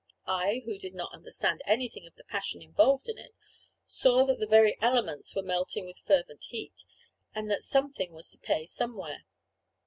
I, who did not understand anything of the passion involved in it, saw that the very elements were melting with fervent heat, and that something was to pay somewhere.